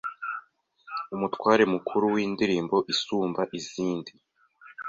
Umutware mukuru windirimbo isumba izindi